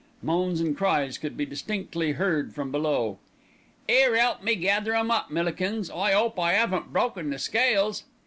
Moans and cries could be distinctly heard from below. "'Ere, 'elp me gather 'em up, Millikins. I 'ope I 'aven't broken the scales."